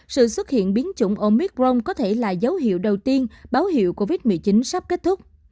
sự xuất hiện biến chủng omicron có thể là dấu hiệu đầu tiên báo hiệu covid một mươi chín sắp kết thúc